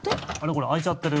これ開いちゃってる。